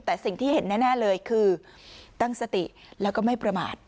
แต่สิ่งที่เห็นแน่เลยคือตั้งสติแล้วก็ไม่ประมาท